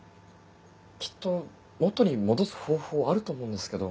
きっと元に戻す方法あると思うんですけど。